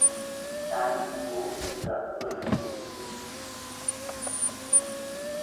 删除您的个人信息；